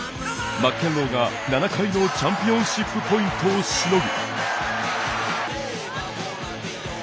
マッケンローが、７回のチャンピオンシップポイントをしのぐ。